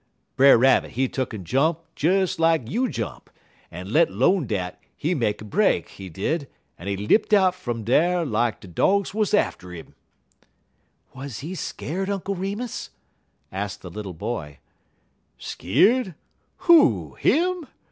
_ Brer Rabbit, he tuck'n jump des lak you jump, en let 'lone dat, he make a break, he did, en he lipt out fum dar lak de dogs wuz atter 'im." "Was he scared, Uncle Remus?" asked the little boy. "Skeerd! Who? _Him?